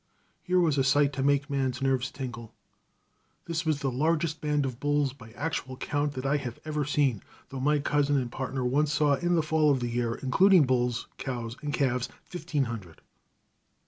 Here was a sight to make a man's nerves tingle. This was the largest band of bulls, by actual count, that I have ever seen, though my cousin and partner once saw in the fall of the year, including bulls, cows, and calves, fifteen hundred.